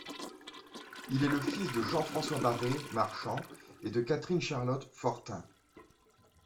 Il est le fis de Jean-François Baret, marchand et de Catherine Charlotte Fortin.